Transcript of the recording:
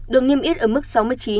được nghiêm yết ở mức sáu mươi chín